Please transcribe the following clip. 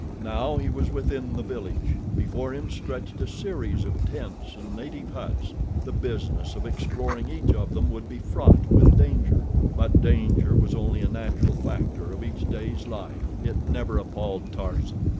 Now he was within the village. Before him stretched a series of tents and native huts. The business of exploring each of them would be fraught with danger; but danger was only a natural factor of each day's life—it never appalled Tarzan.